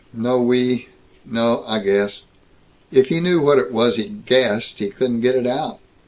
No, we No, I guess " If he knew what it was he guessed, he couldn't get it out.